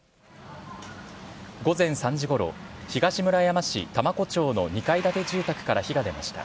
午前３時ごろ、東村山市多摩湖町の２階建て住宅の火が出ました。